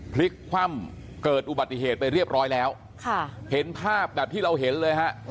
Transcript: พลิกคว่ำเกิดอุบัติเหตุไปเรียบร้อยแล้วค่ะเห็นภาพแบบที่เราเห็นเลยฮะ